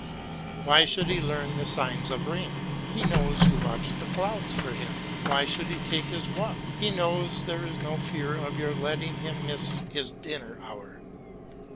Why should he learn the signs of rain? He knows you watch the clouds for him. Why should he time his walk? He knows there is no fear of your letting him miss his dinner hour.